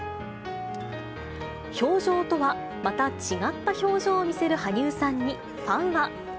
氷上とはまた違った表情を見せる羽生さんに、ファンは。